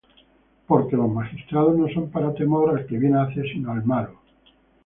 Porque los magistrados no son para temor al que bien hace, sino al malo.